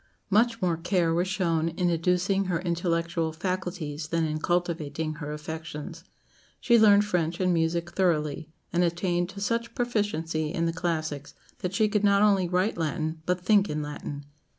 Much more care was shown in educing her intellectual faculties than in cultivating her affections. She learned French and music thoroughly, and attained to such proficiency in the classics that she could not only write Latin but think in Latin.